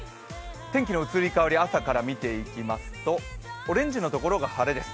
天気の移り変わりを朝から見ていきますと、オレンジのところが晴れです。